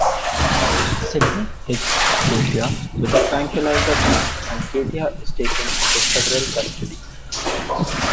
Sydney hits Katya with a tranquilizer dart and Katya is taken into federal custody.